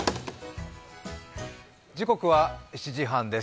時刻は７時半です。